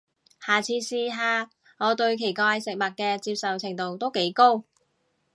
下次試下，我對奇怪食物嘅接受程度都幾高